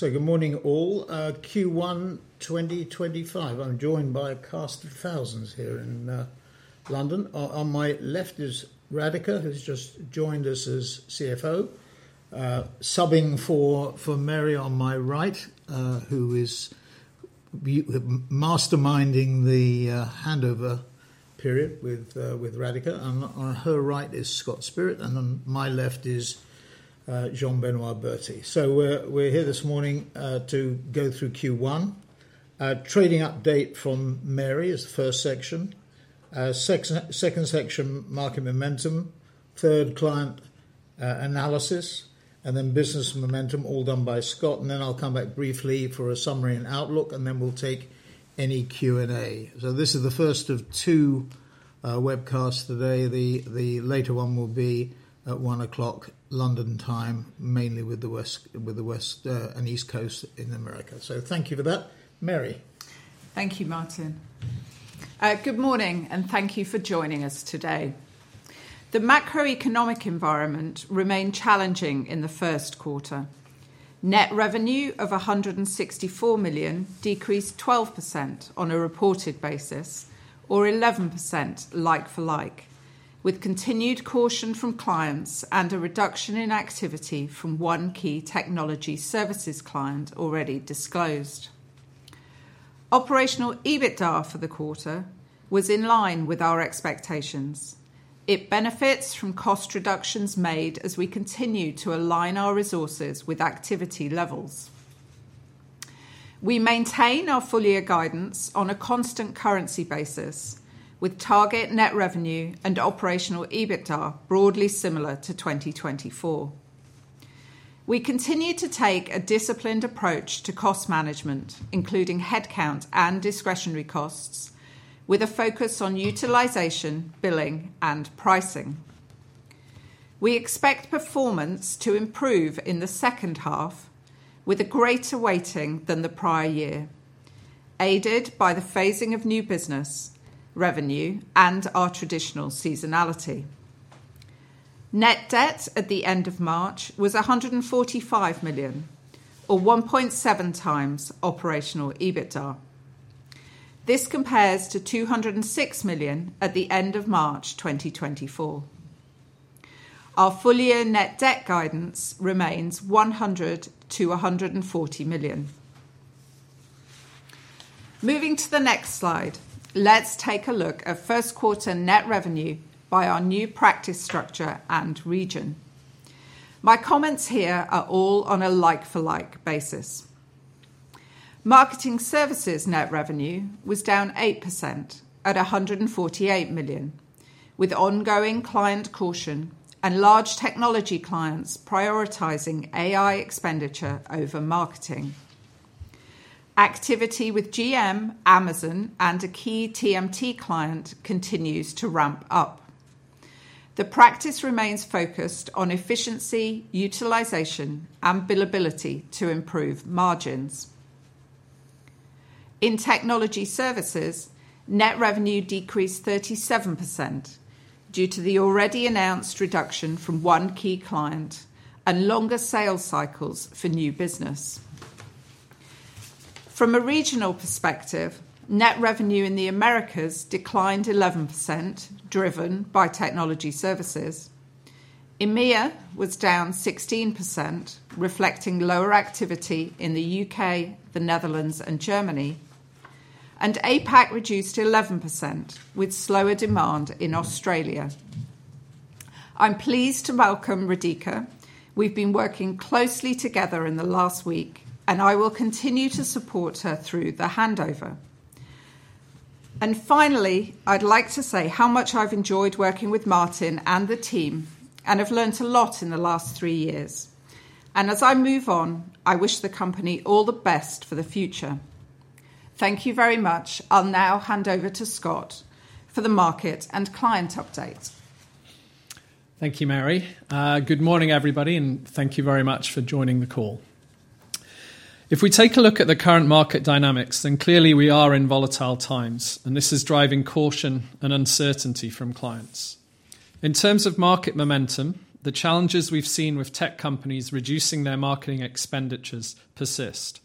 Good morning all. Q1 2025. I'm joined by a cast of thousands here in London. On my left is Radhika, who's just joined us as CFO. Subbing for Mary on my right, who is masterminding the handover period with Radhika. On her right is Scott Spirit, and on my left is Jean-Benoit Berty. We're here this morning to go through Q1. Trading update from Mary is the first section. Second section, market momentum. Third, client analysis. Then business momentum, all done by Scott. I'll come back briefly for a summary and outlook, and then we'll take any Q&A. This is the first of two webcasts today. The later one will be at 1:00 P.M. London time, mainly with the West and East Coast in America. Thank you for that. Mary. Thank you, Martin. Good morning, and thank you for joining us today. The macroeconomic environment remained challenging in the first quarter. Net revenue of 164 million decreased 12% on a reported basis, or 11% like for like, with continued caution from clients and a reduction in activity from one key technology services client already disclosed. Operational EBITDA for the quarter was in line with our expectations. It benefits from cost reductions made as we continue to align our resources with activity levels. We maintain our four-year guidance on a constant currency basis, with target net revenue and operational EBITDA broadly similar to 2024. We continue to take a disciplined approach to cost management, including headcount and discretionary costs, with a focus on utilisation, billing, and pricing. We expect performance to improve in the second half, with a greater weighting than the prior year, aided by the phasing of new business revenue and our traditional seasonality. Net debt at the end of March was 145 million, or 1.7x operational EBITDA. This compares to 206 million at the end of March 2024. Our four-year net debt guidance remains 100-140 million. Moving to the next slide, let's take a look at first quarter net revenue by our new practice structure and region. My comments here are all on a like for like basis. Marketing Services net revenue was down 8% at 148 million, with ongoing client caution and large technology clients prioritizing AI expenditure over marketing. Activity with GM, Amazon, and a key TMT client continues to ramp up. The practice remains focused on efficiency, utilization, and billability to improve margins. In technology services, net revenue decreased 37% due to the already announced reduction from one key client and longer sales cycles for new business. From a regional perspective, net revenue in the Americas declined 11%, driven by technology services. EMEA was down 16%, reflecting lower activity in the U.K., the Netherlands, and Germany. APAC reduced 11%, with slower demand in Australia. I'm pleased to welcome Radhika. We've been working closely together in the last week, and I will continue to support her through the handover. I would like to say how much I've enjoyed working with Martin and the team, and have learned a lot in the last three years. As I move on, I wish the company all the best for the future. Thank you very much. I'll now hand over to Scott for the market and client update. Thank you, Mary. Good morning, everybody, and thank you very much for joining the call. If we take a look at the current market dynamics, then clearly we are in volatile times, and this is driving caution and uncertainty from clients. In terms of market momentum, the challenges we've seen with tech companies reducing their marketing expenditures persist.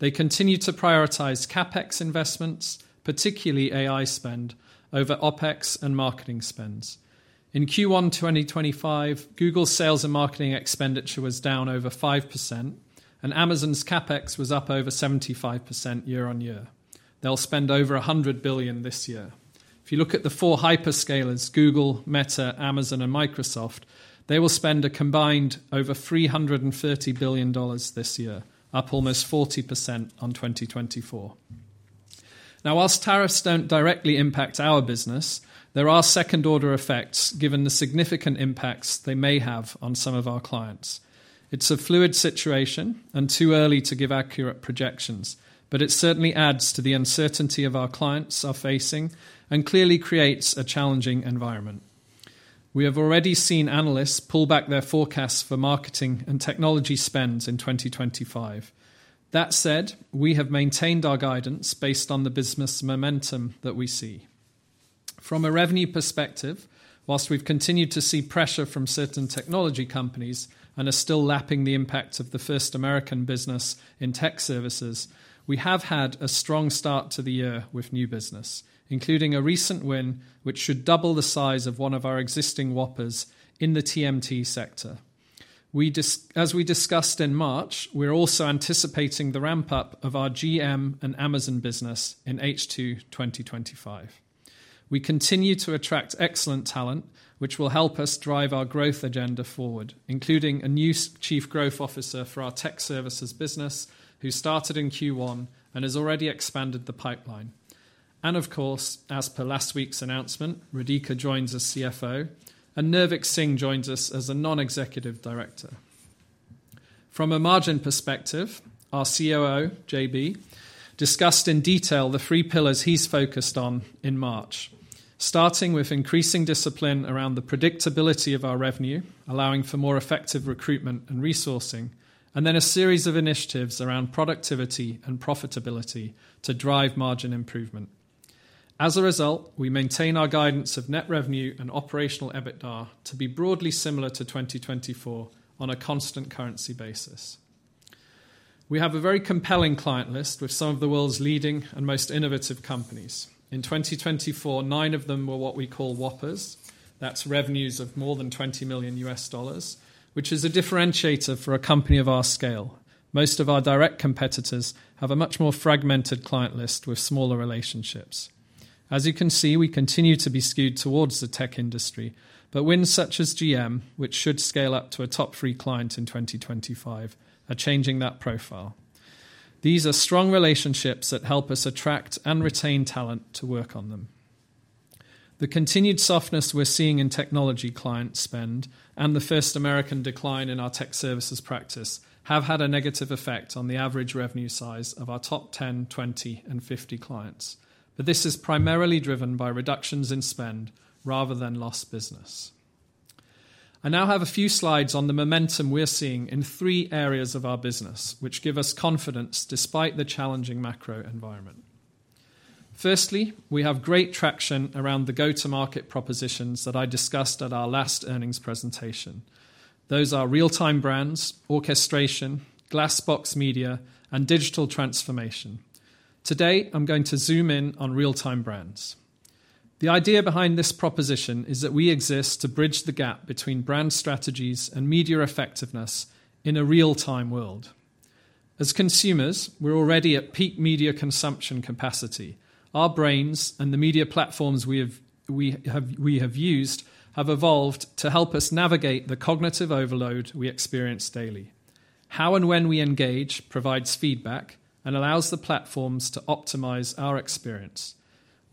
They continue to prioritize CapEx investments, particularly AI spend, over OpEx and marketing spends. In Q1 2025, Google's sales and marketing expenditure was down over 5%, and Amazon's CapEx was up over 75% year-on-year. They'll spend over $100 billion this year. If you look at the four hyperscalers, Google, Meta, Amazon, and Microsoft, they will spend a combined over $330 billion this year, up almost 40% on 2024. Now, whilst tariffs do not directly impact our business, there are second-order effects given the significant impacts they may have on some of our clients. It is a fluid situation and too early to give accurate projections, but it certainly adds to the uncertainty our clients are facing and clearly creates a challenging environment. We have already seen analysts pull back their forecasts for marketing and technology spends in 2025. That said, we have maintained our guidance based on the business momentum that we see. From a revenue perspective, whilst we have continued to see pressure from certain technology companies and are still lapping the impact of the first American business in tech services, we have had a strong start to the year with new business, including a recent win which should double the size of one of our existing Whoppers in the TMT sector. As we discussed in March, we're also anticipating the ramp-up of our GM and Amazon business in H2 2025. We continue to attract excellent talent, which will help us drive our growth agenda forward, including a new Chief Growth Officer for our Tech Services business who started in Q1 and has already expanded the pipeline. Of course, as per last week's announcement, Radhika joins as CFO, and Nirvik Singh joins us as a Non-Executive Director. From a margin perspective, our COO, JB, discussed in detail the three pillars he's focused on in March, starting with increasing discipline around the predictability of our revenue, allowing for more effective recruitment and resourcing, and then a series of initiatives around productivity and profitability to drive margin improvement. As a result, we maintain our guidance of net revenue and operational EBITDA to be broadly similar to 2024 on a constant currency basis. We have a very compelling client list with some of the world's leading and most innovative companies. In 2024, nine of them were what we call Whoppers. That's revenues of more than $20 million, which is a differentiator for a company of our scale. Most of our direct competitors have a much more fragmented client list with smaller relationships. As you can see, we continue to be skewed towards the tech industry, but wins such as GM, which should scale up to a top three client in 2025, are changing that profile. These are strong relationships that help us attract and retain talent to work on them. The continued softness we're seeing in technology client spend and the first American decline in our tech services practice have had a negative effect on the average revenue size of our top 10, 20, and 50 clients. This is primarily driven by reductions in spend rather than lost business. I now have a few slides on the momentum we are seeing in three areas of our business, which give us confidence despite the challenging macro environment. Firstly, we have great traction around the go-to-market propositions that I discussed at our last earnings presentation. Those are Real-Time Brands, Orchestration, Glass Box Media, and digital transformation. Today, I am going to zoom in on Real-Time Brands. The idea behind this proposition is that we exist to bridge the gap between brand strategies and media effectiveness in a real-time world. As consumers, we are already at peak media consumption capacity. Our brains and the media platforms we have used have evolved to help us navigate the cognitive overload we experience daily. How and when we engage provides feedback and allows the platforms to optimize our experience.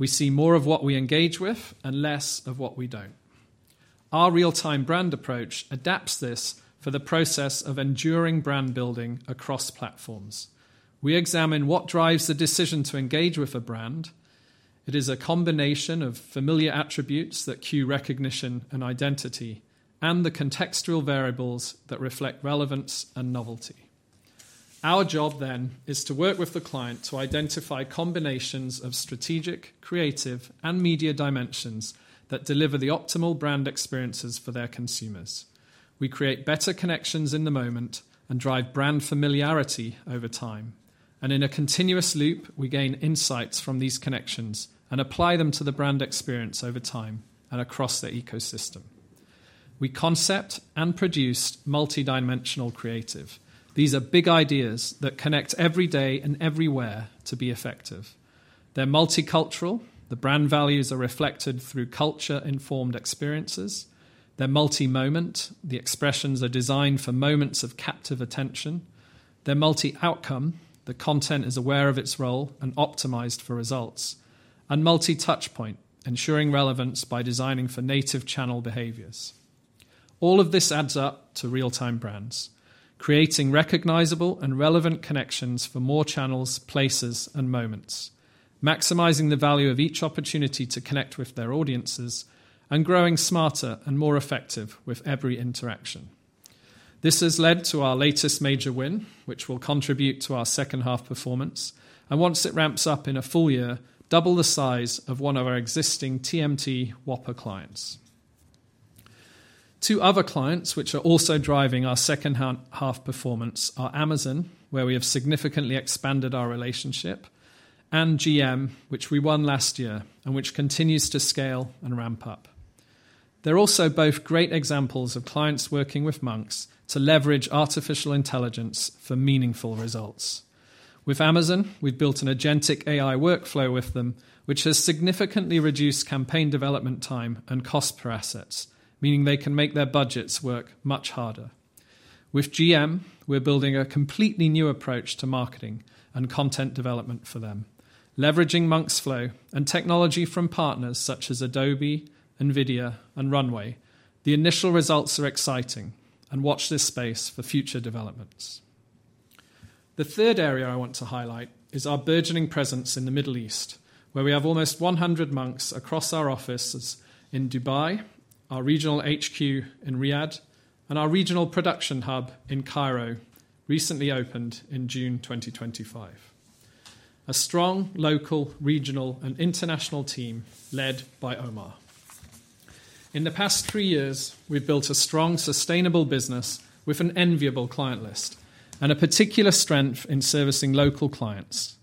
We see more of what we engage with and less of what we do not. Our real-time brand approach adapts this for the process of enduring brand building across platforms. We examine what drives the decision to engage with a brand. It is a combination of familiar attributes that cue recognition and identity and the contextual variables that reflect relevance and novelty. Our job then is to work with the client to identify combinations of strategic, creative, and media dimensions that deliver the optimal brand experiences for their consumers. We create better connections in the moment and drive brand familiarity over time. In a continuous loop, we gain insights from these connections and apply them to the brand experience over time and across the ecosystem. We concept and produce multidimensional creative. These are big ideas that connect every day and everywhere to be effective. They are multicultural. The brand values are reflected through culture-informed experiences. They're multi-moment. The expressions are designed for moments of captive attention. They're multi-outcome. The content is aware of its role and optimised for results. And multi-touch point, ensuring relevance by designing for native channel behaviours. All of this adds up to real-time brands, creating recognisable and relevant connections for more channels, places, and moments, maximizing the value of each opportunity to connect with their audiences and growing smarter and more effective with every interaction. This has led to our latest major win, which will contribute to our second-half performance. Once it ramps up in a full year, double the size of one of our existing TMT Whopper clients. Two other clients which are also driving our second-half performance are Amazon, where we have significantly expanded our relationship, and GM, which we won last year and which continues to scale and ramp up. They are also both great examples of clients working with Monks to leverage artificial intelligence for meaningful results. With Amazon, we have built an agentic AI workflow with them, which has significantly reduced campaign development time and cost per asset, meaning they can make their budgets work much harder. With GM, we are building a completely new approach to marketing and content development for them. Leveraging Monks.Flow and technology from partners such as Adobe, NVIDIA, and Runway, the initial results are exciting, and watch this space for future developments. The third area I want to highlight is our burgeoning presence in the Middle East, where we have almost 100 Monks across our offices in Dubai, our regional HQ in Riyadh, and our regional production hub in Cairo, recently opened in June 2025. A strong local, regional, and international team led by Omar. In the past three years, we've built a strong, sustainable business with an enviable client list and a particular strength in servicing local clients.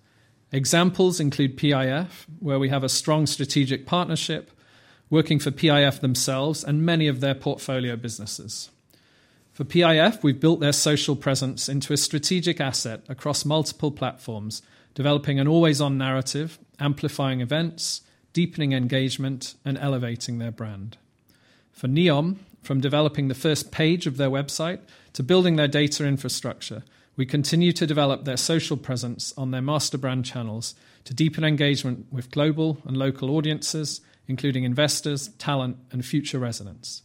Examples include PIF, where we have a strong strategic partnership working for PIF themselves and many of their portfolio businesses. For PIF, we've built their social presence into a strategic asset across multiple platforms, developing an always-on narrative, amplifying events, deepening engagement, and elevating their brand. For Neom, from developing the first page of their website to building their data infrastructure, we continue to develop their social presence on their master brand channels to deepen engagement with global and local audiences, including investors, talent, and future residents.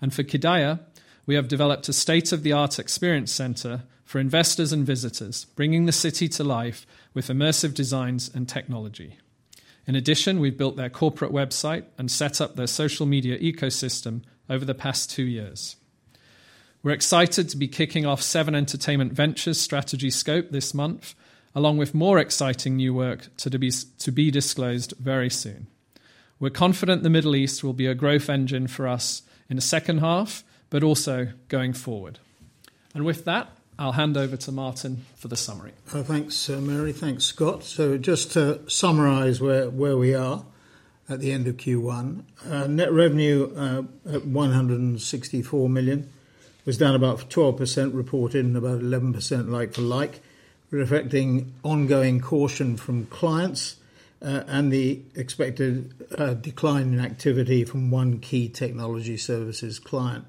For Qiddiya, we have developed a state-of-the-art experience center for investors and visitors, bringing the city to life with immersive designs and technology. In addition, we have built their corporate website and set up their social media ecosystem over the past two years. We are excited to be kicking off Seven Entertainment Ventures' strategy scope this month, along with more exciting new work to be disclosed very soon. We are confident the Middle East will be a growth engine for us in the second half, but also going forward. With that, I will hand over to Martin for the summary. Thanks, Mary. Thanks, Scott. Just to summarise where we are at the end of Q1, net revenue at 164 million was down about 12%, reporting about 11% like-for-like, reflecting ongoing caution from clients and the expected decline in activity from one key technology services client.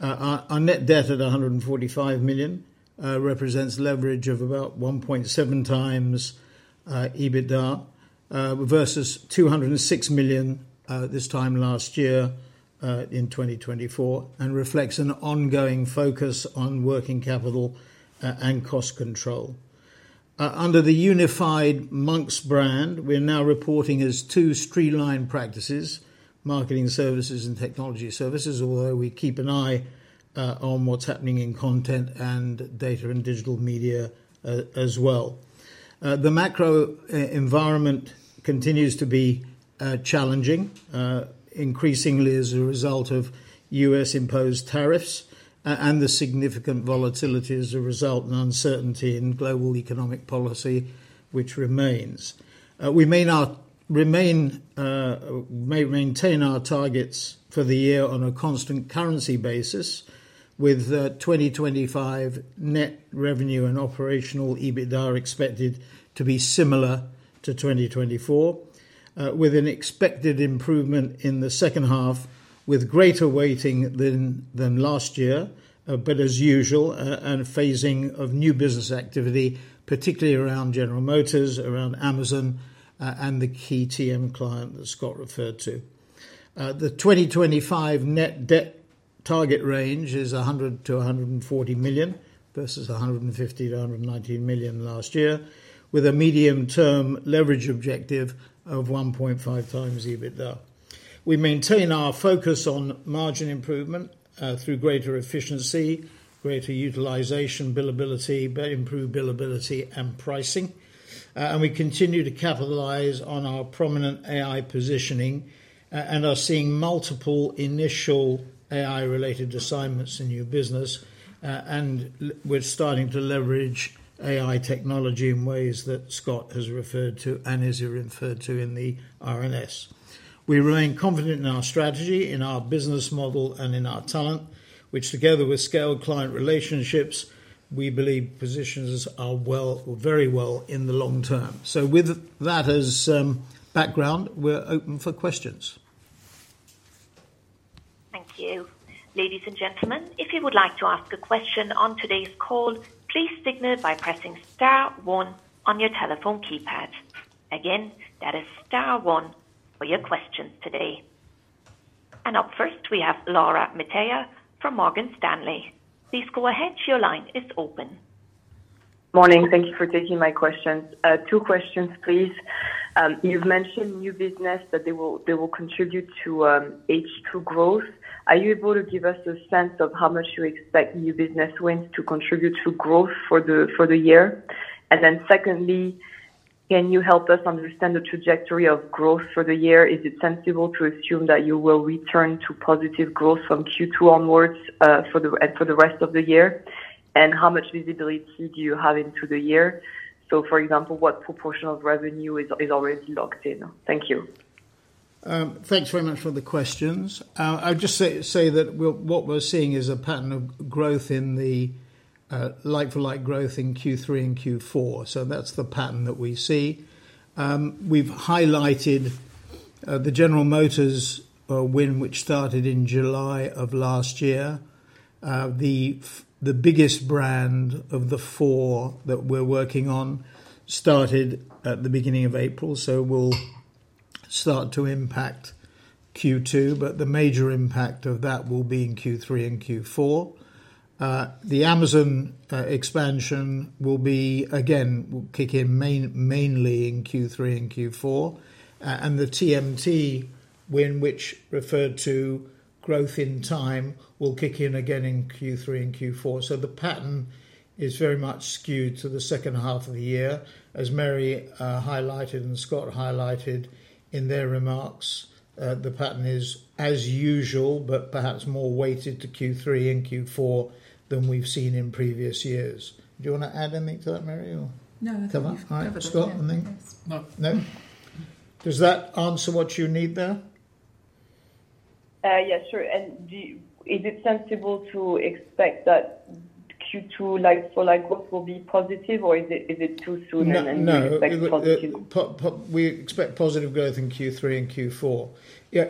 Our net debt at 145 million represents leverage of about 1.7 times EBITDA versus 206 million this time last year in 2024 and reflects an ongoing focus on working capital and cost control. Under the unified Monks brand, we're now reporting as two streamlined practices, Marketing Services and Technology Services, although we keep an eye on what's happening in content and Data & Digital Media as well. The macro environment continues to be challenging, increasingly as a result of U.S.-imposed tariffs and the significant volatility as a result and uncertainty in global economic policy, which remains. We may maintain our targets for the year on a constant currency basis, with 2025 net revenue and operational EBITDA expected to be similar to 2024, with an expected improvement in the second half with greater weighting than last year, as usual, and phasing of new business activity, particularly around General Motors, around Amazon, and the key TMT client that Scott referred to. The 2025 net debt target range is 100-140 million versus 150-190 million last year, with a medium-term leverage objective of 1.5x EBITDA. We maintain our focus on margin improvement through greater efficiency, greater utilisation, billability, better improved billability, and pricing. We continue to capitalise on our prominent AI positioning and are seeing multiple initial AI-related assignments in new business, and we are starting to leverage AI technology in ways that Scott has referred to and is referred to in the R&S. We remain confident in our strategy, in our business model, and in our talent, which, together with scaled client relationships, we believe positions us very well in the long term. With that as background, we're open for questions. Thank you. Ladies and gentlemen, if you would like to ask a question on today's call, please signal by pressing Star 1 on your telephone keypad. Again, that is Star 1 for your questions today. Up first, we have Laura Metayer from Morgan Stanley. Please go ahead. Your line is open. Morning. Thank you for taking my questions. Two questions, please. You've mentioned new business that they will contribute to H2 growth. Are you able to give us a sense of how much you expect new business wins to contribute to growth for the year? Secondly, can you help us understand the trajectory of growth for the year? Is it sensible to assume that you will return to positive growth from Q2 onwards and for the rest of the year? How much visibility do you have into the year? For example, what proportion of revenue is already locked in? Thank you. Thanks very much for the questions. I'll just say that what we're seeing is a pattern of growth in the like-for-like growth in Q3 and Q4. That's the pattern that we see. We've highlighted the General Motors win, which started in July of last year. The biggest brand of the four that we're working on started at the beginning of April, so it will start to impact Q2, but the major impact of that will be in Q3 and Q4. The Amazon expansion will be, again, kick in mainly in Q3 and Q4. The TMT win, which referred to growth in time, will kick in again in Q3 and Q4. The pattern is very much skewed to the second half of the year. As Mary highlighted and Scott highlighted in their remarks, the pattern is as usual, but perhaps more weighted to Q3 and Q4 than we've seen in previous years. Do you want to add anything to that, Mary? No, I think we've covered it. Scott? Anything? No. No? Does that answer what you need there? Yes, sure. Is it sensible to expect that Q2 like-for-like growth will be positive, or is it too soon and unexpected positive? No, we expect positive growth in Q3 and Q4.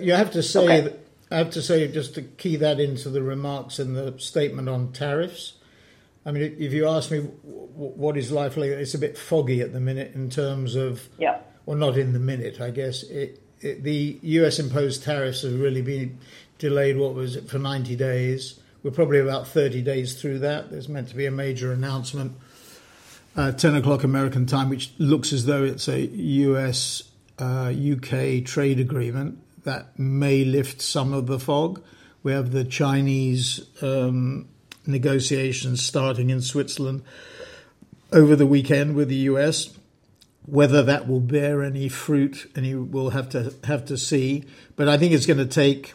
You have to say, I have to say, just to key that into the remarks and the statement on tariffs. I mean, if you ask me what is likely, it's a bit foggy at the minute in terms of, well, not in the minute, I guess. The U.S.-imposed tariffs have really been delayed, what was it, for 90 days. We're probably about 30 days through that. There's meant to be a major announcement at 10:00 A.M. American time, which looks as though it's a U.S.-U.K. trade agreement that may lift some of the fog. We have the Chinese negotiations starting in Switzerland over the weekend with the U.S. Whether that will bear any fruit, we'll have to see. I think it's going to take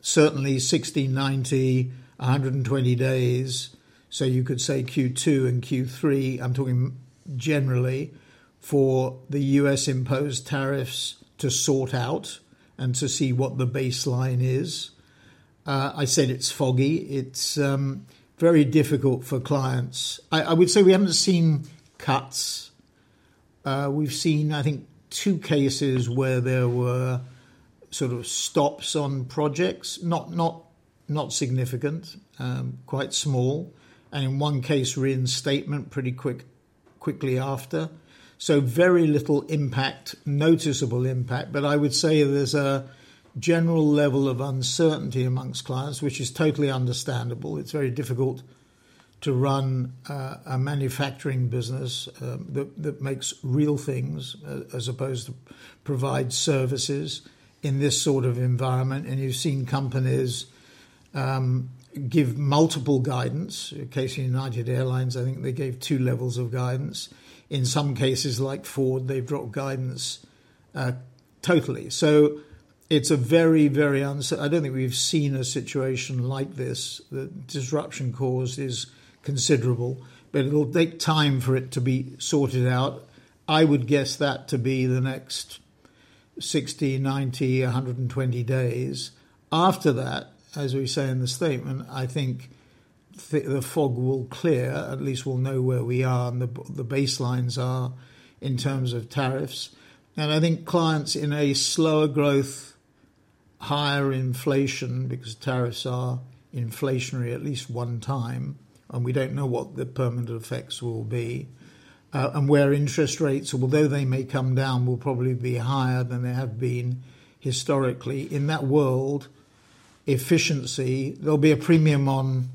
certainly 60, 90, 120 days. You could say Q2 and Q3, I'm talking generally, for the U.S.-imposed tariffs to sort out and to see what the baseline is. I said it's foggy. It's very difficult for clients. I would say we haven't seen cuts. We've seen, I think, two cases where there were sort of stops on projects, not significant, quite small. In one case, reinstatement pretty quickly after. Very little impact, noticeable impact. I would say there's a general level of uncertainty amongst clients, which is totally understandable. It's very difficult to run a manufacturing business that makes real things as opposed to provide services in this sort of environment. You've seen companies give multiple guidance. Case in point, United Airlines, I think they gave two levels of guidance. In some cases, like Ford, they've dropped guidance totally. It's a very, very uncertain, I don't think we've seen a situation like this. The disruption cause is considerable, but it'll take time for it to be sorted out. I would guess that to be the next 60, 90, 120 days. After that, as we say in the statement, I think the fog will clear, at least we'll know where we are and the baselines are in terms of tariffs. I think clients in a slower growth, higher inflation, because tariffs are inflationary at least one time, and we don't know what the permanent effects will be. Where interest rates, although they may come down, will probably be higher than they have been historically. In that world, efficiency, there'll be a premium on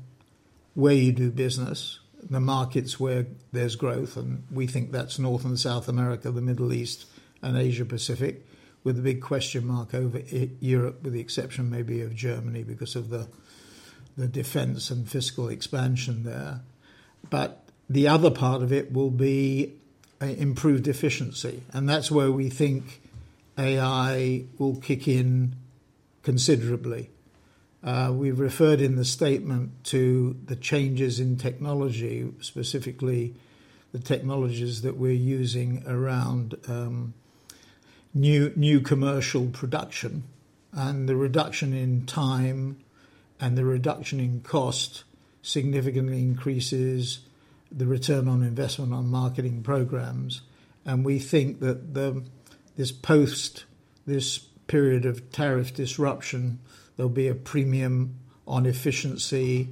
where you do business, the markets where there's growth. We think that's North and South America, the Middle East, and Asia-Pacific, with the big question mark over Europe, with the exception maybe of Germany because of the defense and fiscal expansion there. The other part of it will be improved efficiency. That's where we think AI will kick in considerably. We've referred in the statement to the changes in technology, specifically the technologies that we're using around new commercial production. The reduction in time and the reduction in cost significantly increases the return on investment on marketing programs. We think that this post, this period of tariff disruption, there will be a premium on efficiency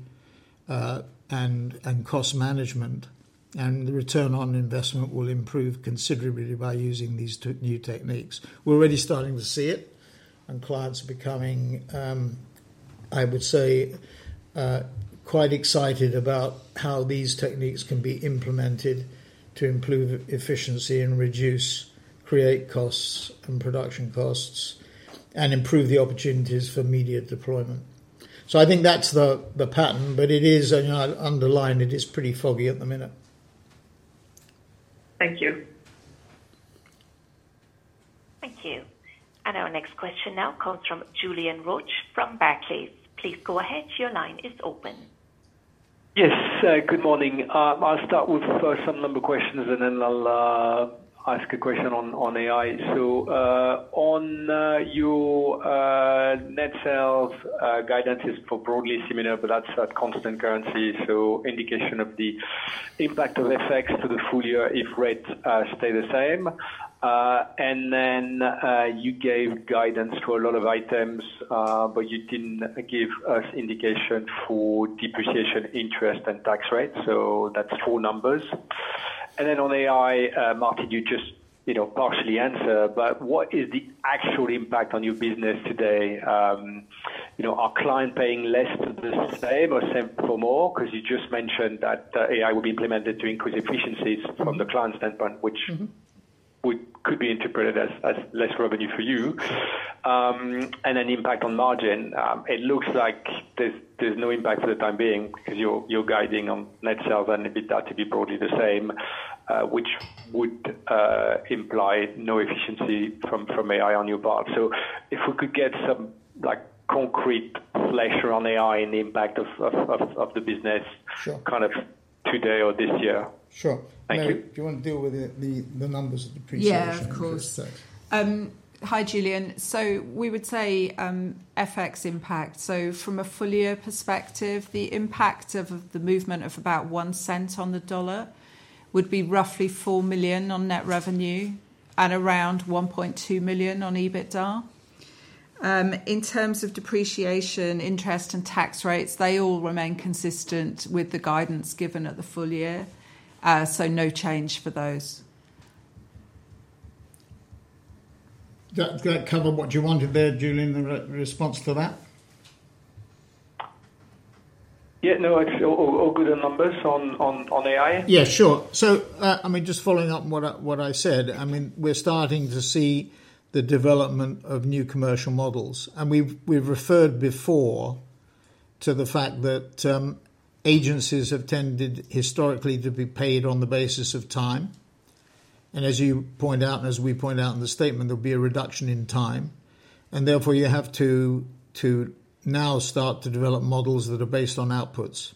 and cost management. The return on investment will improve considerably by using these new techniques. We're already starting to see it, and clients are becoming, I would say, quite excited about how these techniques can be implemented to improve efficiency and reduce creative costs and production costs, and improve the opportunities for media deployment. I think that's the pattern, but it is, and I underline it, it's pretty foggy at the minute. Thank you. Thank you. Our next question now comes from Julien Roch from Barclays. Please go ahead. Your line is open. Yes, good morning. I'll start with some number of questions, and then I'll ask a question on AI. On your net sales guidance, it is for broadly similar, but that's a constant currency. Is there an indication of the impact of FX to the full year if rates stay the same? You gave guidance for a lot of items, but you did not give us indication for depreciation, interest, and tax rates. That is four numbers. On AI, Martin, you just partially answered, but what is the actual impact on your business today? Are clients paying less for the same or the same for more? You just mentioned that AI will be implemented to increase efficiencies from the client standpoint, which could be interpreted as less revenue for you and an impact on margin. It looks like there's no impact for the time being because you're guiding on net sales and EBITDA to be broadly the same, which would imply no efficiency from AI on your part. If we could get some concrete flesh around AI and the impact of the business kind of today or this year. Sure. Do you want to deal with the numbers of depreciation? Yeah, of course. Hi, Julien. So we would say FX impact. From a full-year perspective, the impact of the movement of about one cent on the dollar would be roughly 4 million on net revenue and around 1.2 million on EBITDA. In terms of depreciation, interest, and tax rates, they all remain consistent with the guidance given at the full year. No change for those. Did that cover what you wanted there, Julien, the response to that? Yeah, no, all good numbers on AI. Yeah, sure. I mean, just following up on what I said, I mean, we're starting to see the development of new commercial models. We've referred before to the fact that agencies have tended historically to be paid on the basis of time. As you point out, and as we point out in the statement, there'll be a reduction in time. Therefore, you have to now start to develop models that are based on outputs.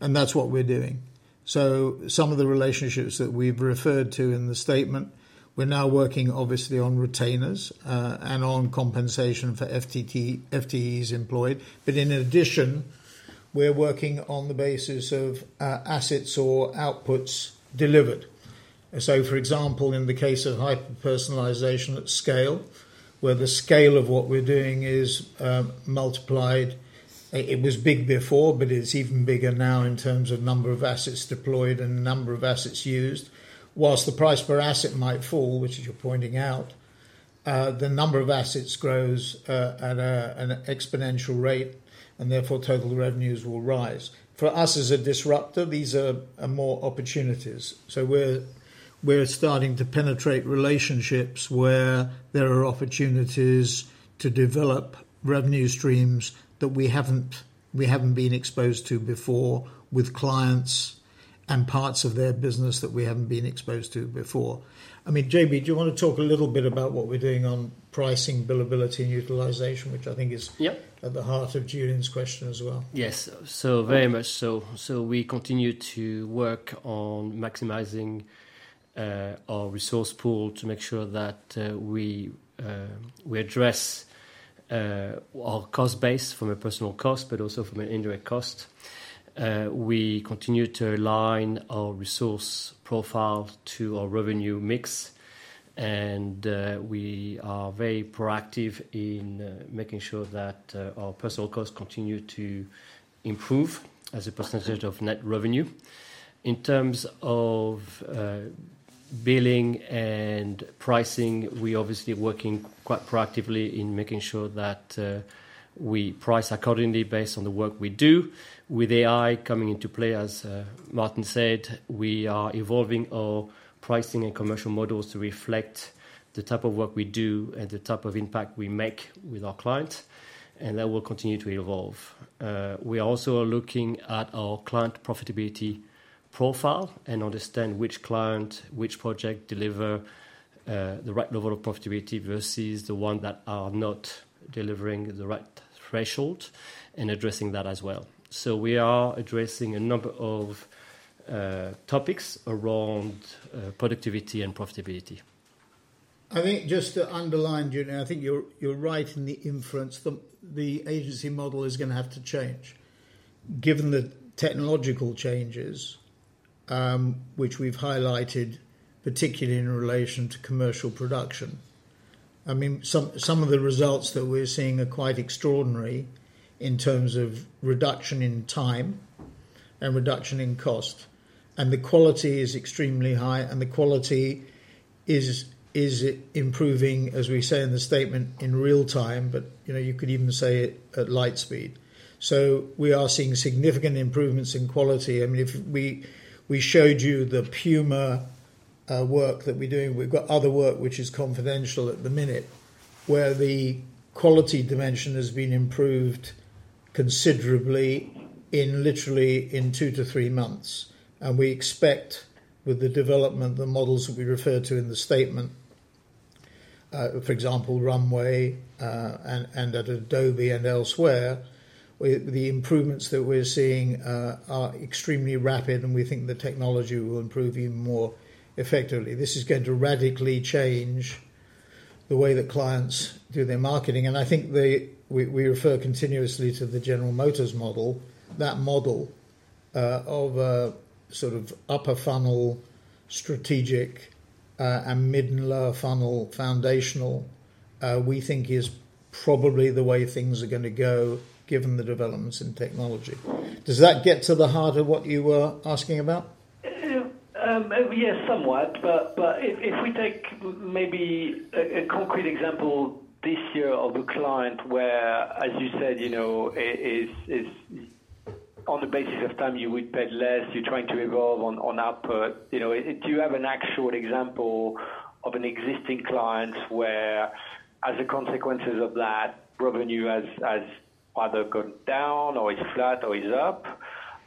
That's what we're doing. Some of the relationships that we've referred to in the statement, we're now working, obviously, on retainers and on compensation for FTEs employed. In addition, we're working on the basis of assets or outputs delivered. For example, in the case of hyper-personalisation at scale, where the scale of what we're doing is multiplied, it was big before, but it's even bigger now in terms of number of assets deployed and number of assets used. Whilst the price per asset might fall, which you're pointing out, the number of assets grows at an exponential rate, and therefore, total revenues will rise. For us as a disruptor, these are more opportunities. We're starting to penetrate relationships where there are opportunities to develop revenue streams that we haven't been exposed to before with clients and parts of their business that we haven't been exposed to before. I mean, JB, do you want to talk a little bit about what we're doing on pricing, billability, and utilisation, which I think is at the heart of Julien's question as well? Yes, very much so. We continue to work on maximizing our resource pool to make sure that we address our cost base from a personnel cost, but also from an indirect cost. We continue to align our resource profile to our revenue mix. We are very proactive in making sure that our personnel costs continue to improve as a percentage of net revenue. In terms of billing and pricing, we are obviously working quite proactively in making sure that we price accordingly based on the work we do. With AI coming into play, as Martin said, we are evolving our pricing and commercial models to reflect the type of work we do and the type of impact we make with our clients. That will continue to evolve. We are also looking at our client profitability profile and understand which client, which project delivers the right level of profitability versus the ones that are not delivering the right threshold and addressing that as well. We are addressing a number of topics around productivity and profitability. I think just to underline, Julien, I think you're right in the inference that the agency model is going to have to change given the technological changes, which we've highlighted, particularly in relation to commercial production. I mean, some of the results that we're seeing are quite extraordinary in terms of reduction in time and reduction in cost. The quality is extremely high. The quality is improving, as we say in the statement, in real time, but you could even say at light speed. We are seeing significant improvements in quality. I mean, if we showed you the PUMA work that we're doing, we've got other work which is confidential at the minute, where the quality dimension has been improved considerably in literally two to three months. We expect with the development, the models that we refer to in the statement, for example, Runway and at Adobe and elsewhere, the improvements that we're seeing are extremely rapid, and we think the technology will improve even more effectively. This is going to radically change the way that clients do their marketing. I think we refer continuously to the General Motors model. That model of sort of upper funnel, strategic, and mid and lower funnel foundational, we think is probably the way things are going to go given the developments in technology. Does that get to the heart of what you were asking about? Yeah, somewhat. If we take maybe a concrete example this year of a client where, as you said, on the basis of time, you would pay less. You're trying to evolve on output. Do you have an actual example of an existing client where, as a consequence of that, revenue has either gone down or is flat or is up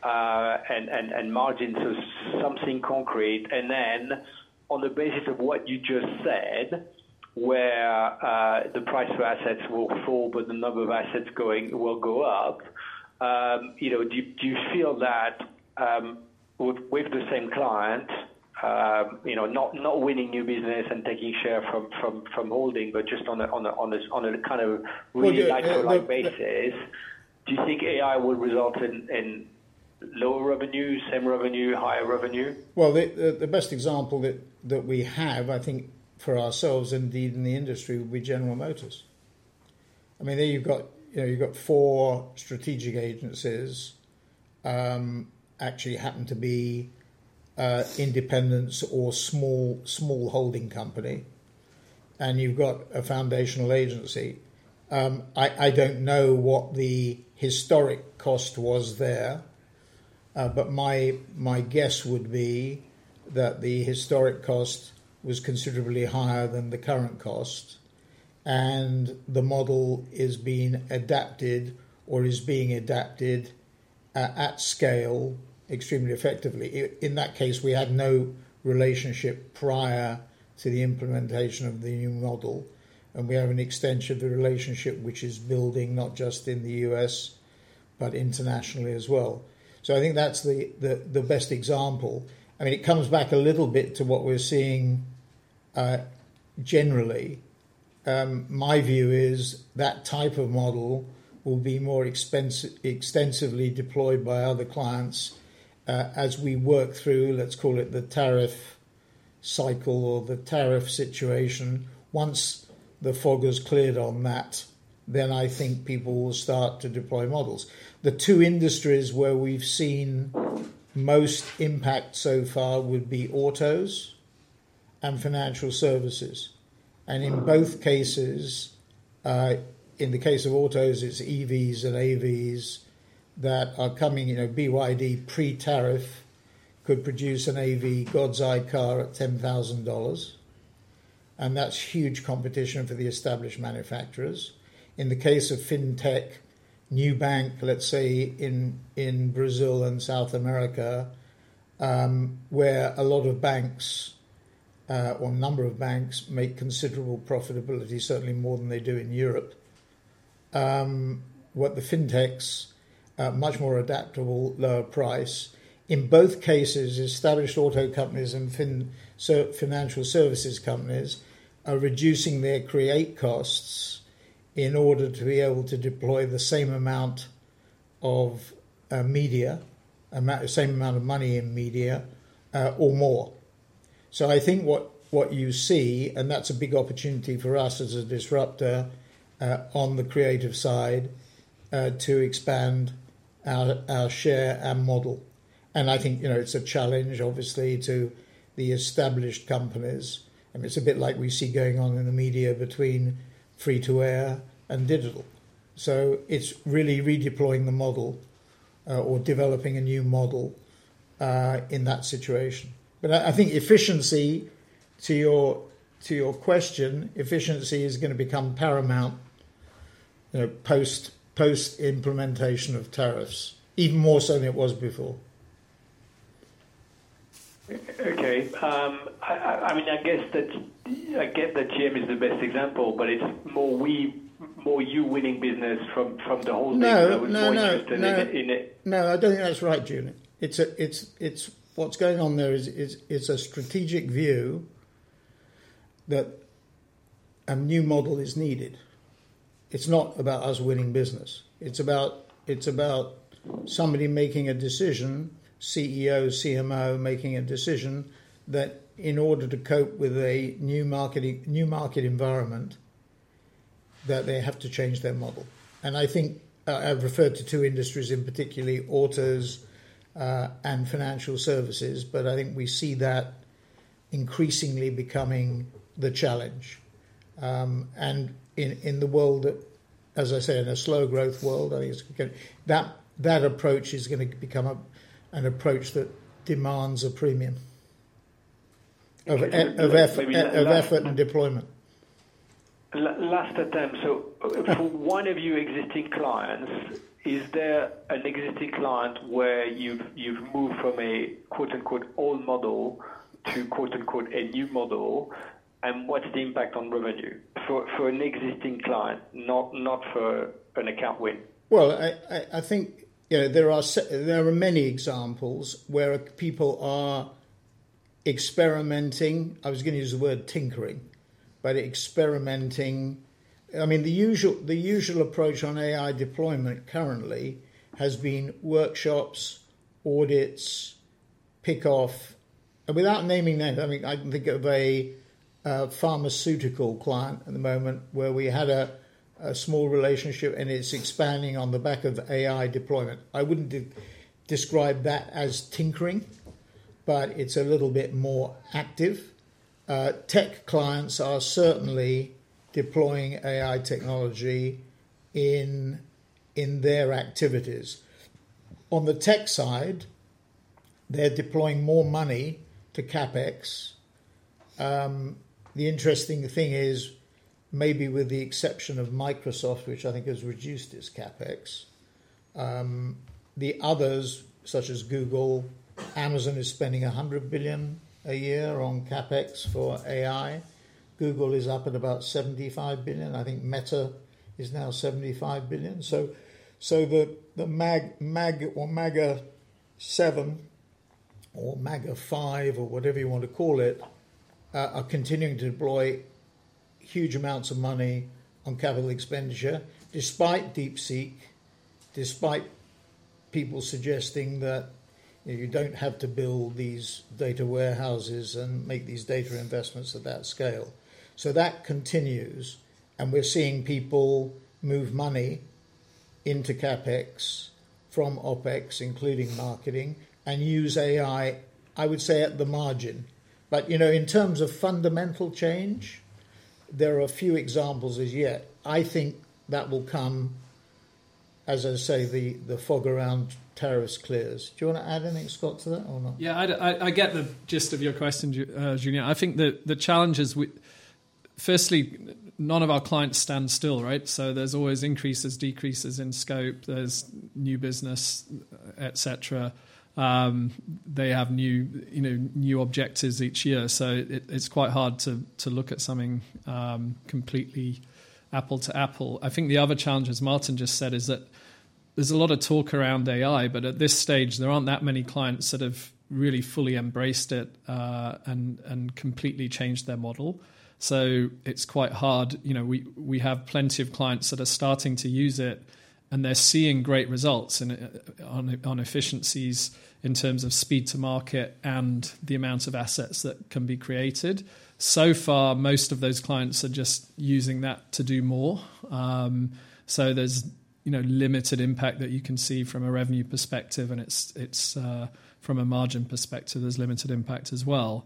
and margins, so something concrete? On the basis of what you just said, where the price for assets will fall, but the number of assets will go up, do you feel that with the same client, not winning new business and taking share from holding, but just on a kind of really like-for-like basis, do you think AI will result in lower revenue, same revenue, higher revenue? The best example that we have, I think, for ourselves in the industry would be General Motors. I mean, there you've got four strategic agencies actually happen to be independents or small holding company, and you've got a foundational agency. I do not know what the historic cost was there, but my guess would be that the historic cost was considerably higher than the current cost. The model is being adapted or is being adapted at scale extremely effectively. In that case, we had no relationship prior to the implementation of the new model. We have an extension of the relationship, which is building not just in the U.S., but internationally as well. I think that's the best example. I mean, it comes back a little bit to what we're seeing generally. My view is that type of model will be more extensively deployed by other clients as we work through, let's call it the tariff cycle or the tariff situation. Once the fog has cleared on that, then I think people will start to deploy models. The two industries where we've seen most impact so far would be autos and financial services. In both cases, in the case of autos, it's EVs and AVs that are coming. BYD pre-tariff could produce an AV, God's eye car, at $10,000. That's huge competition for the established manufacturers. In the case of fintech, new bank, let's say in Brazil and South America, where a lot of banks or a number of banks make considerable profitability, certainly more than they do in Europe. What the fintechs, much more adaptable, lower price. In both cases, established auto companies and financial services companies are reducing their create costs in order to be able to deploy the same amount of media, the same amount of money in media or more. I think what you see, and that's a big opportunity for us as a disruptor on the creative side to expand our share and model. I think it's a challenge, obviously, to the established companies. I mean, it's a bit like we see going on in the media between free-to-air and digital. It's really redeploying the model or developing a new model in that situation. I think efficiency, to your question, efficiency is going to become paramount post-implementation of tariffs, even more so than it was before. Okay. I mean, I guess that GM is the best example, but it's more you winning business from the holding that was more interested in it. No, no, no. I do not think that is right, Julien. What is going on there is it is a strategic view that a new model is needed. It is not about us winning business. It is about somebody making a decision, CEO, CMO making a decision that in order to cope with a new market environment, that they have to change their model. I think I have referred to two industries in particular, autos and financial services, but I think we see that increasingly becoming the challenge. In the world that, as I say, in a slow-growth world, I think that approach is going to become an approach that demands a premium of effort and deployment. Last attempt. For one of your existing clients, is there an existing client where you've moved from an "old model" to "a new model"? What is the impact on revenue for an existing client, not for an account win? I think there are many examples where people are experimenting. I was going to use the word tinkering, but experimenting. I mean, the usual approach on AI deployment currently has been workshops, audits, kickoff. Without naming names, I can think of a pharmaceutical client at the moment where we had a small relationship, and it's expanding on the back of AI deployment. I would not describe that as tinkering, but it's a little bit more active. Tech clients are certainly deploying AI technology in their activities. On the tech side, they're deploying more money to CapEx. The interesting thing is, maybe with the exception of Microsoft, which I think has reduced its CapEx, the others, such as Google, Amazon is spending $100 billion a year on CapEx for AI. Google is up at about $75 billion. I think Meta is now $75 billion. The MAG or MAGA 7 or MAGA 5 or whatever you want to call it, are continuing to deploy huge amounts of money on capital expenditure, despite DeepSeek, despite people suggesting that you do not have to build these data warehouses and make these data investments at that scale. That continues. We are seeing people move money into CapEx from OpEx, including marketing, and use AI, I would say, at the margin. In terms of fundamental change, there are a few examples as yet. I think that will come, as I say, the fog around tariffs clears. Do you want to add anything, Scott, to that or not? Yeah, I get the gist of your question, Julien. I think the challenge is, firstly, none of our clients stand still, right? So there's always increases, decreases in scope. There's new business, etc. They have new objectives each year. It's quite hard to look at something completely apple to apple. I think the other challenge, as Martin just said, is that there's a lot of talk around AI, but at this stage, there aren't that many clients that have really fully embraced it and completely changed their model. It's quite hard. We have plenty of clients that are starting to use it, and they're seeing great results on efficiencies in terms of speed to market and the amount of assets that can be created. So far, most of those clients are just using that to do more. There is limited impact that you can see from a revenue perspective, and from a margin perspective, there is limited impact as well.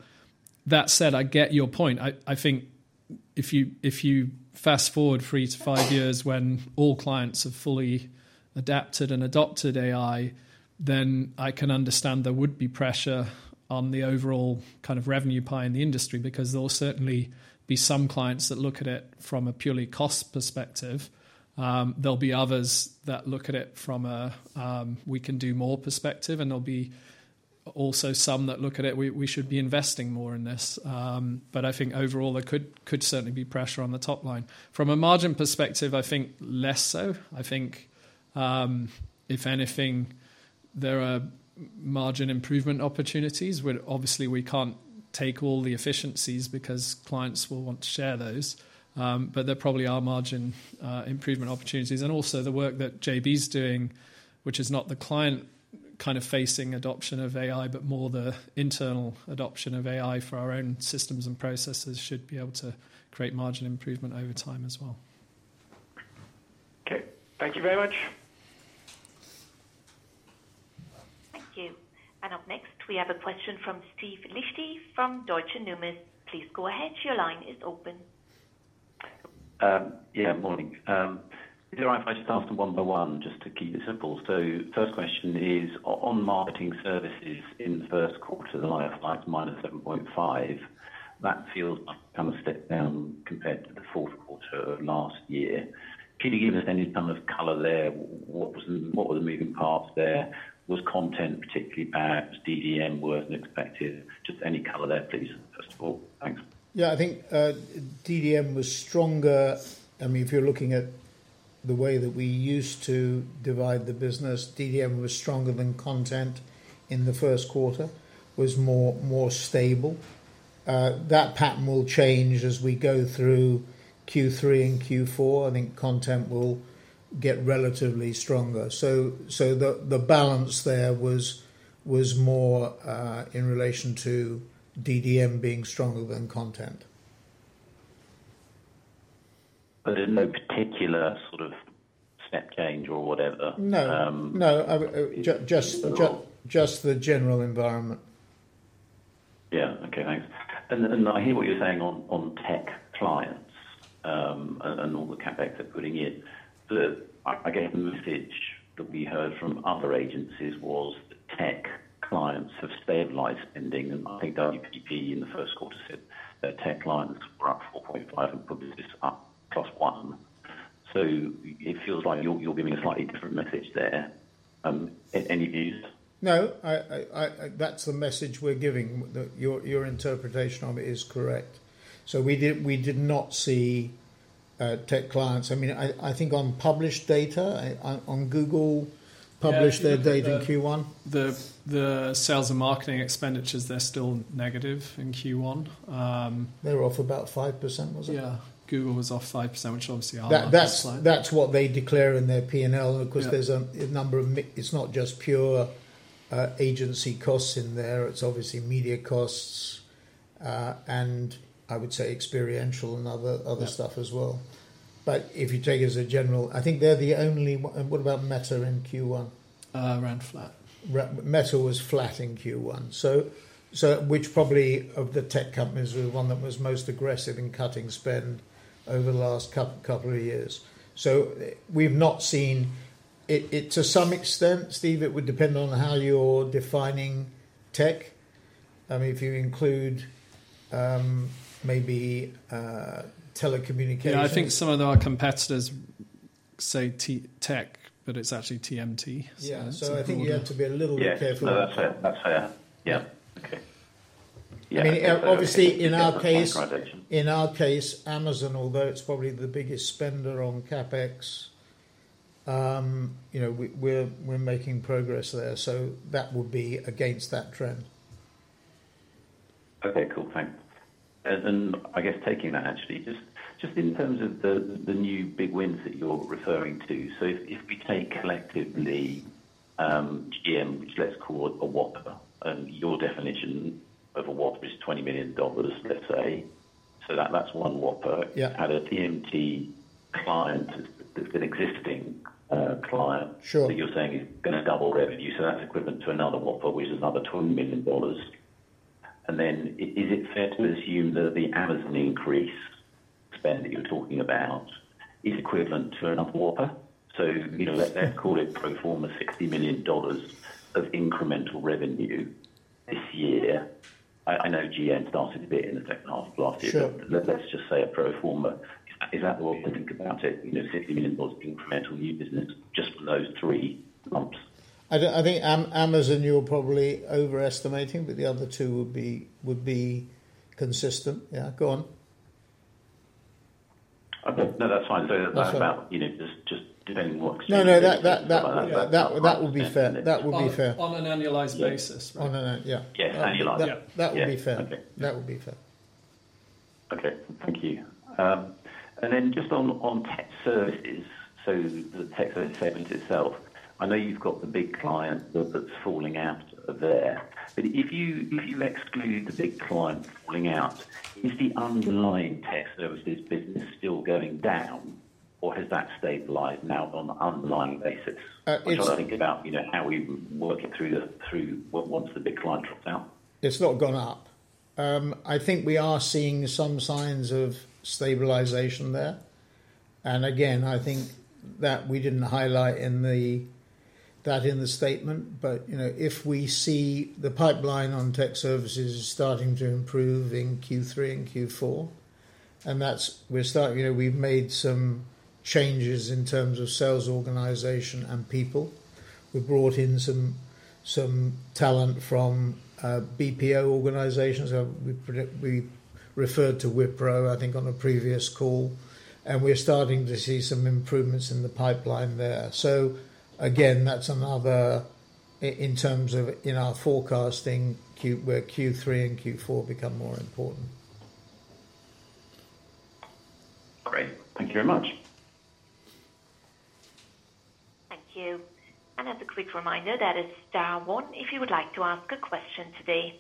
That said, I get your point. I think if you fast forward three to five years when all clients have fully adapted and adopted AI, then I can understand there would be pressure on the overall kind of revenue pie in the industry because there will certainly be some clients that look at it from a purely cost perspective. There will be others that look at it from a "we can do more" perspective, and there will be also some that look at it, "we should be investing more in this." I think overall, there could certainly be pressure on the top line. From a margin perspective, I think less so. I think, if anything, there are margin improvement opportunities. Obviously, we can't take all the efficiencies because clients will want to share those, but there probably are margin improvement opportunities. Also, the work that JB is doing, which is not the client kind of facing adoption of AI, but more the internal adoption of AI for our own systems and processes, should be able to create margin improvement over time as well. Okay. Thank you very much. Thank you. Up next, we have a question from Steve Liechti from Deutsche Numis. Please go ahead. Your line is open. Yeah, morning. If you're all right, if I just ask them one by one, just to keep it simple. First question is, on marketing services in the first quarter, the line of sight -7.5%, that feels like it kind of stepped down compared to the fourth quarter of last year. Can you give us any kind of color there? What were the moving parts there? Was content particularly bad? Was DDM worse than expected? Just any color there, please, first of all. Thanks. Yeah, I think DDM was stronger. I mean, if you're looking at the way that we used to divide the business, DDM was stronger than content in the first quarter, was more stable. That pattern will change as we go through Q3 and Q4. I think content will get relatively stronger. The balance there was more in relation to DDM being stronger than content. There's no particular sort of step change or whatever? No. No. Just the general environment. Yeah. Okay. Thanks. I hear what you're saying on tech clients and all the CapEx they're putting in. I guess the message that we heard from other agencies was that tech clients have stabilized spending. I think WPP in the first quarter said that tech clients were up 4.5% and Publicis up +1%. It feels like you're giving a slightly different message there. Any views? No, that's the message we're giving. Your interpretation of it is correct. We did not see tech clients. I mean, I think on published data, Google published their data in Q1. The sales and marketing expenditures, they're still negative in Q1. They were off about 5%, was it? Yeah. Google was off 5%, which obviously. That's what they declare in their P&L. Of course, there's a number of it's not just pure agency costs in there. It's obviously media costs and, I would say, experiential and other stuff as well. If you take it as a general, I think they're the only what about Meta in Q1? Ran flat. Meta was flat in Q1, which probably of the tech companies was the one that was most aggressive in cutting spend over the last couple of years. We have not seen it to some extent, Steve, it would depend on how you are defining tech. I mean, if you include maybe telecommunications. Yeah, I think some of our competitors say tech, but it's actually TMT. Yeah. So I think you have to be a little bit careful. Yeah. That's fair. Yeah. Okay. I mean, obviously, in our case. In our case. In our case, Amazon, although it's probably the biggest spender on CapEx, we're making progress there. That would be against that trend. Okay. Cool. Thanks. I guess taking that, actually, just in terms of the new big wins that you're referring to, if we take collectively GM, which, let's call it a whopper, and your definition of a whopper is $20 million, let's say, so that's one whopper. It has a TMT client that's an existing client. You're saying it's going to double revenue, so that's equivalent to another whopper, which is another $20 million. Is it fair to assume that the Amazon increased spend that you're talking about is equivalent to another whopper? Let's call it pro forma $60 million of incremental revenue this year. I know GM started a bit in the second half of last year, but let's just say a pro forma. Is that the way to think about it? $60 million incremental new business just for those three months. I think Amazon you're probably overestimating, but the other two would be consistent. Yeah. Go on. No, that's fine. So that's about just depending on what exchange rate. No, no, that would be fair. That would be fair. On an annualized basis. On an annualized, yeah. Yeah. Annualized. Yeah. That would be fair. That would be fair. Okay. Thank you. And then just on tech services, so the tech services segment itself, I know you've got the big client that's falling out there. If you exclude the big client falling out, is the underlying tech services business still going down, or has that stabilized now on an underlying basis? I'm trying to think about how we work it through once the big client drops out. It's not gone up. I think we are seeing some signs of stabilization there. I think that we didn't highlight that in the statement, but if we see the pipeline on tech services starting to improve in Q3 and Q4, and we've made some changes in terms of sales organization and people. We've brought in some talent from BPO organizations. We referred to Wipro, I think, on a previous call, and we're starting to see some improvements in the pipeline there. That's another in terms of in our forecasting where Q3 and Q4 become more important. Great. Thank you very much. Thank you. As a quick reminder, that is star one if you would like to ask a question today.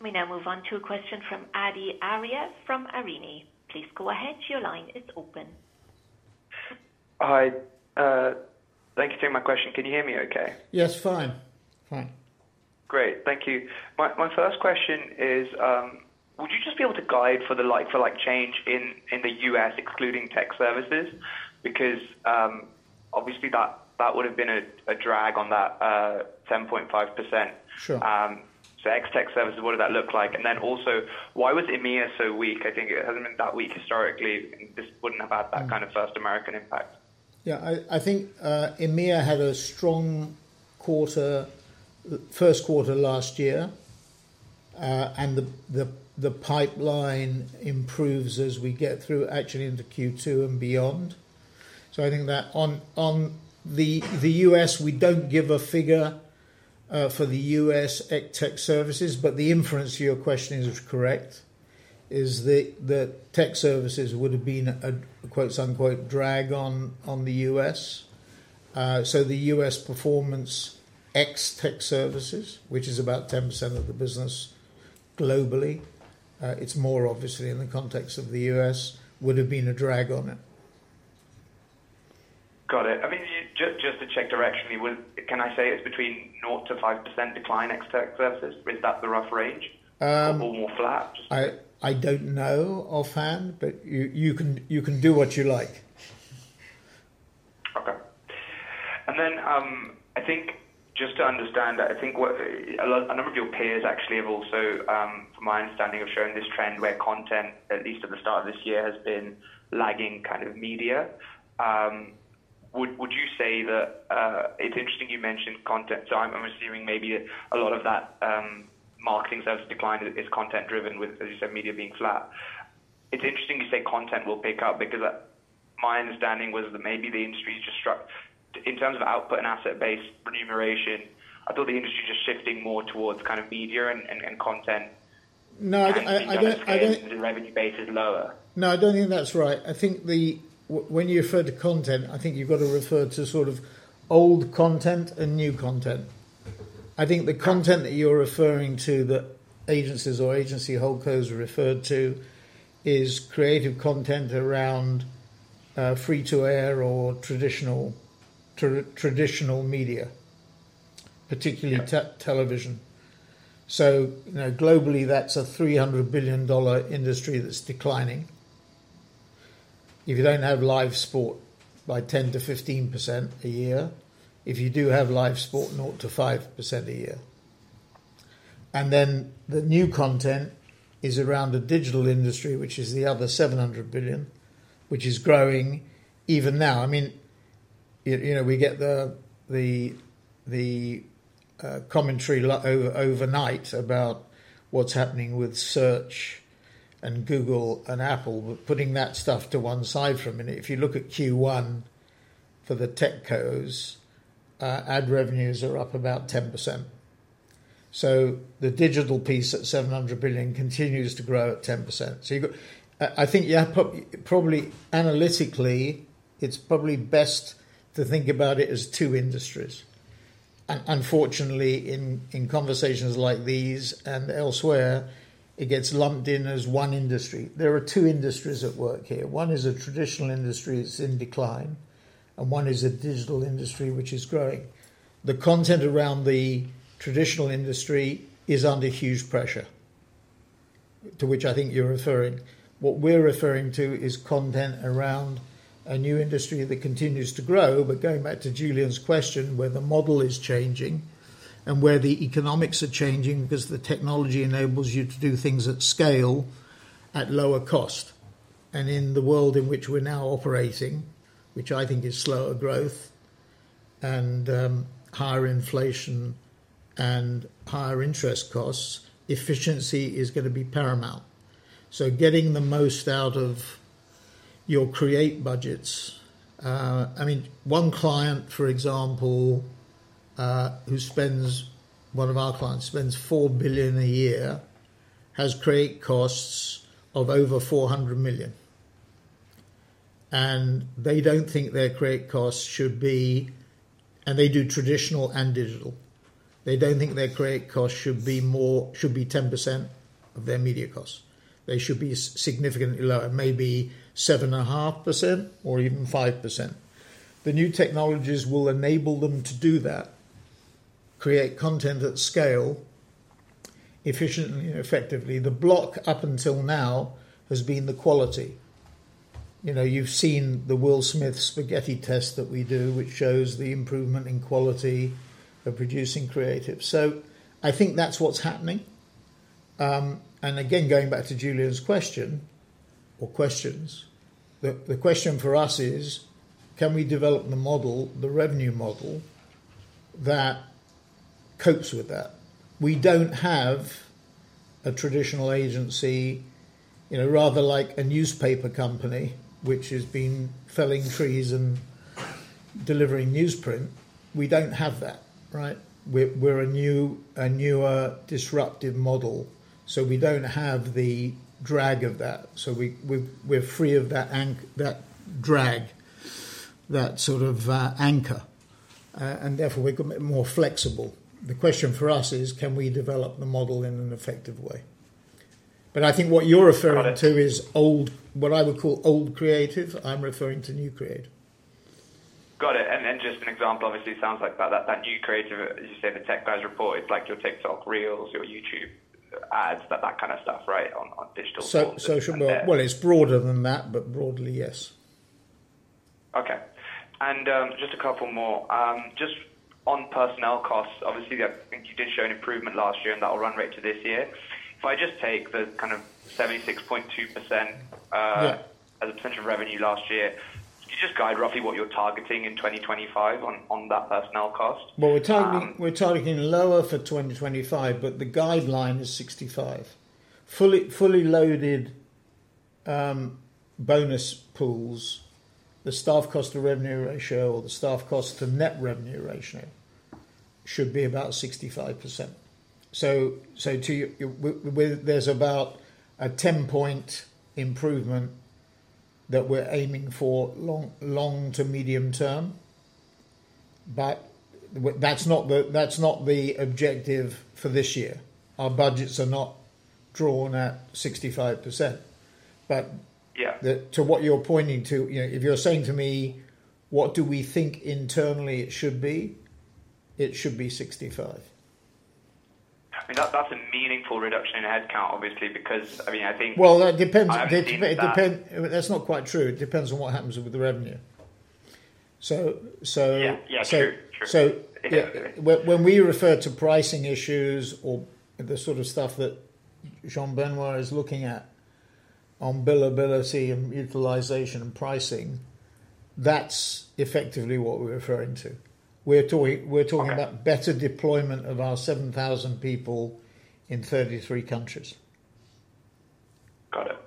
We now move on to a question from Adi Arya from Arini. Please go ahead. Your line is open. Hi. Thanks for taking my question. Can you hear me okay? Yes, fine. Fine. Great. Thank you. My first question is, would you just be able to guide for the like-for-like change in the U.S., excluding tech services? Because obviously, that would have been a drag on that 7.5%. Ex-tech services, what did that look like? Also, why was EMEA so weak? I think it has not been that weak historically. This would not have had that kind of first American impact. Yeah. I think EMEA had a strong first quarter last year, and the pipeline improves as we get through, actually, into Q2 and beyond. I think that on the U.S., we do not give a figure for the U.S. ex-tech services, but the inference to your question is correct, is that tech services would have been a "drag" on the U.S. The U.S. performance ex-tech services, which is about 10% of the business globally, it is more obviously in the context of the U.S., would have been a drag on it. Got it. I mean, just to check directionally, can I say it's between 0%-5% decline ex-tech services? Is that the rough range or more flat? I don't know offhand, but you can do what you like. Okay. I think just to understand that, I think a number of your peers actually have also, from my understanding, have shown this trend where content, at least at the start of this year, has been lagging kind of media. Would you say that it's interesting you mentioned content? I'm assuming maybe a lot of that marketing service decline is content-driven, as you said, media being flat. It's interesting you say content will pick up because my understanding was that maybe the industry is just struck in terms of output and asset-based remuneration. I thought the industry is just shifting more towards kind of media and content. No, I don't. The revenue base is lower. No, I don't think that's right. I think when you refer to content, I think you've got to refer to sort of old content and new content. I think the content that you're referring to that agencies or agency holdcos refer to is creative content around free-to-air or traditional media, particularly television. Globally, that's a $300 billion industry that's declining. If you don't have live sport, by 10%-15% a year. If you do have live sport, 0%-5% a year. The new content is around the digital industry, which is the other $700 billion, which is growing even now. I mean, we get the commentary overnight about what's happening with Search and Google and Apple, but putting that stuff to one side for a minute, if you look at Q1 for the tech cos, ad revenues are up about 10%. The digital piece at $700 billion continues to grow at 10%. I think probably analytically, it's probably best to think about it as two industries. Unfortunately, in conversations like these and elsewhere, it gets lumped in as one industry. There are two industries at work here. One is a traditional industry that's in decline, and one is a digital industry which is growing. The content around the traditional industry is under huge pressure, to which I think you're referring. What we're referring to is content around a new industry that continues to grow. Going back to Julien's question, where the model is changing and where the economics are changing because the technology enables you to do things at scale at lower cost. In the world in which we're now operating, which I think is slower growth and higher inflation and higher interest costs, efficiency is going to be paramount. Getting the most out of your create budgets. I mean, one client, for example, who spends—one of our clients spends 4 billion a year, has create costs of over 400 million. They do not think their create costs should be—and they do traditional and digital—they do not think their create costs should be 10% of their media costs. They should be significantly lower, maybe 7.5% or even 5%. The new technologies will enable them to do that, create content at scale efficiently and effectively. The block up until now has been the quality. You have seen the Will Smith spaghetti test that we do, which shows the improvement in quality of producing creative. I think that is what is happening. Again, going back to Julien's question or questions, the question for us is, can we develop the model, the revenue model that copes with that? We do not have a traditional agency, rather like a newspaper company, which has been felling trees and delivering newsprint. We do not have that, right? We are a newer disruptive model. We do not have the drag of that. We are free of that drag, that sort of anchor. Therefore, we are more flexible. The question for us is, can we develop the model in an effective way? I think what you are referring to is what I would call old creative. I am referring to new creative. Got it. Just an example, obviously, sounds like that new creative, as you say, the tech guys report, it's like your TikTok Reels, your YouTube ads, that kind of stuff, right, on digital platforms. It's broader than that, but broadly, yes. Okay. And just a couple more. Just on personnel costs, obviously, I think you did show an improvement last year, and that will run right to this year. If I just take the kind of 76.2% as a potential revenue last year, could you just guide roughly what you're targeting in 2025 on that personnel cost? We're targeting lower for 2025, but the guideline is 65%. Fully loaded bonus pools, the staff cost-to-revenue ratio or the staff cost-to-net revenue ratio should be about 65%. There is about a 10-point improvement that we're aiming for long to medium term. That's not the objective for this year. Our budgets are not drawn at 65%. To what you're pointing to, if you're saying to me, "What do we think internally it should be?" It should be 65. I mean, that's a meaningful reduction in headcount, obviously, because I mean, I think. That depends. That's not quite true. It depends on what happens with the revenue. When we refer to pricing issues or the sort of stuff that Jean-Benoit is looking at on billability and utilization and pricing, that's effectively what we're referring to. We're talking about better deployment of our 7,000 people in 33 countries. Got it.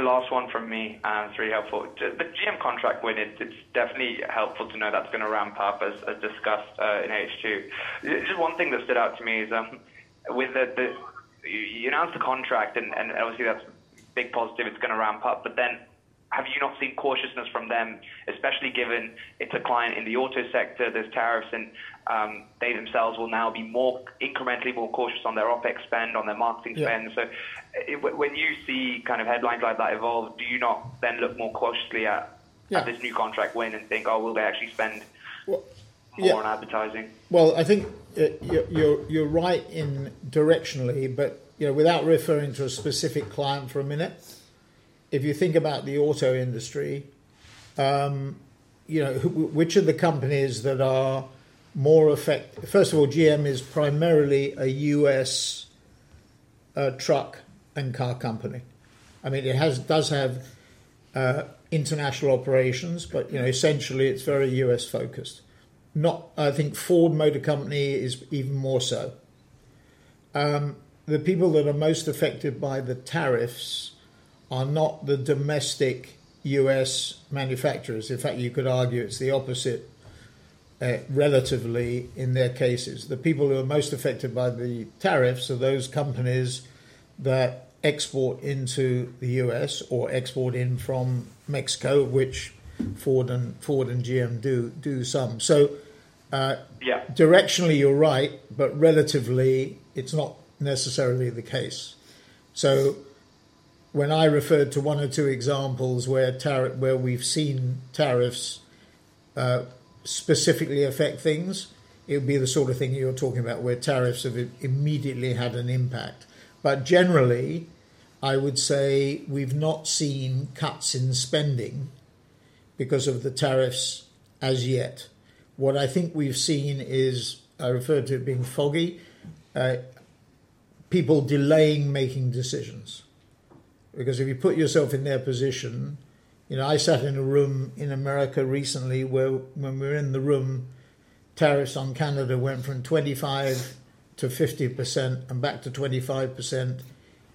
Last one from me, three helpful. The GM contract win, it's definitely helpful to know that's going to ramp up as discussed in H2. Just one thing that stood out to me is you announced the contract, and obviously, that's a big positive. It's going to ramp up. Have you not seen cautiousness from them, especially given it's a client in the auto sector, there are tariffs, and they themselves will now be incrementally more cautious on their OpEx spend, on their marketing spend? When you see kind of headlines like that evolve, do you not then look more cautiously at this new contract win and think, "Oh, will they actually spend more on advertising? I think you're right in directionally, but without referring to a specific client for a minute, if you think about the auto industry, which are the companies that are more effective? First of all, GM is primarily a U.S. truck and car company. I mean, it does have international operations, but essentially, it's very U.S.-focused. I think Ford Motor Company is even more so. The people that are most affected by the tariffs are not the domestic U.S. manufacturers. In fact, you could argue it's the opposite relatively in their cases. The people who are most affected by the tariffs are those companies that export into the U.S. or export in from Mexico, which Ford and GM do some. Directionally, you're right, but relatively, it's not necessarily the case. When I referred to one or two examples where we've seen tariffs specifically affect things, it would be the sort of thing you're talking about where tariffs have immediately had an impact. Generally, I would say we've not seen cuts in spending because of the tariffs as yet. What I think we've seen is, I referred to it being foggy, people delaying making decisions. Because if you put yourself in their position, I sat in a room in America recently where when we were in the room, tariffs on Canada went from 25% to 50% and back to 25%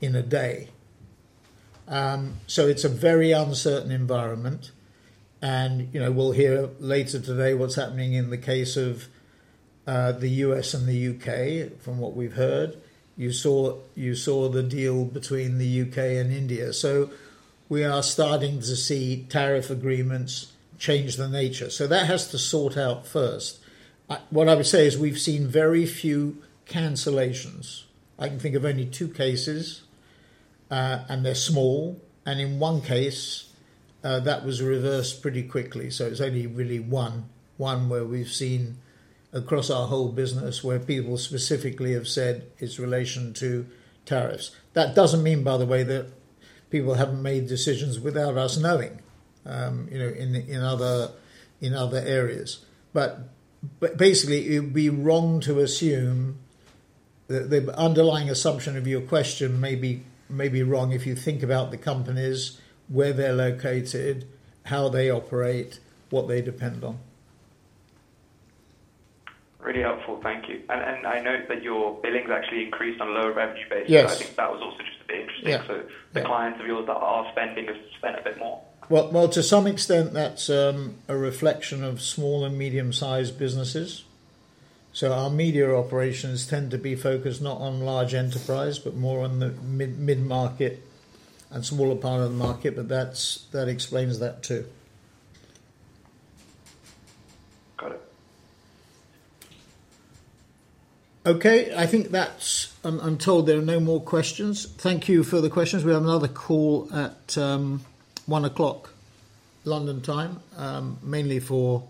in a day. It's a very uncertain environment. We'll hear later today what's happening in the case of the U.S. and the U.K., from what we've heard. You saw the deal between the U.K. and India. We are starting to see tariff agreements change the nature. That has to sort out first. What I would say is we've seen very few cancellations. I can think of only two cases, and they're small. In one case, that was reversed pretty quickly. It is only really one where we've seen across our whole business where people specifically have said it's in relation to tariffs. That does not mean, by the way, that people have not made decisions without us knowing in other areas. Basically, it would be wrong to assume that the underlying assumption of your question may be wrong if you think about the companies, where they're located, how they operate, what they depend on. Really helpful. Thank you. I note that your billings actually increased on lower revenue basis. I think that was also just a bit interesting. The clients of yours that are spending have spent a bit more. To some extent, that's a reflection of small and medium-sized businesses. Our media operations tend to be focused not on large enterprise, but more on the mid-market and smaller part of the market. That explains that too. Got it. Okay. I think that's—I am told there are no more questions. Thank you for the questions. We have another call at 1:00 P.M. London time, mainly for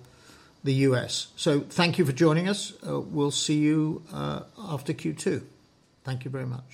the U.S. So thank you for joining us. We will see you after Q2. Thank you very much.